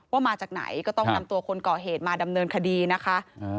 มาจากไหนก็ต้องนำตัวคนก่อเหตุมาดำเนินคดีนะคะ